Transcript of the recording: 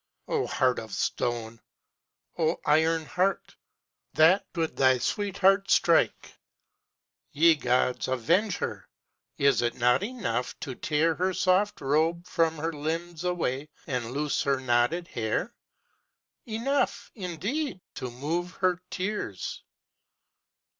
O heart of stone! O iron heart! that could thy sweetheart strike! Ye gods avenge her! Is it not enough To tear her soft robe from her limbs away, And loose her knotted hair? Enough, indeed, To move her tears!